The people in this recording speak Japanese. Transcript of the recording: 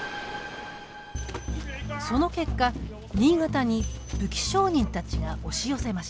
その結果新潟に武器商人たちが押し寄せました。